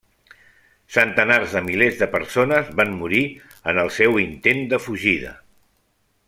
Centenars de milers de persones van morir en el seu intent de fugida.